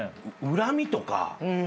恨みとか。